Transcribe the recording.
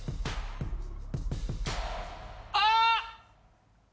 あっ！